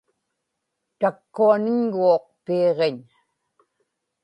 takkuaniñguuq piiġiñ